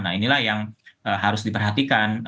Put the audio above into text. nah inilah yang harus diperhatikan